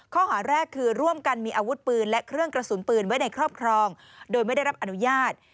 ข้อหาแรกคือร่วมกันมีอาวุธปืนและเครื่องกระสุนปืนไว้ในครอบครองโดยไม่ได้รับอนุญาต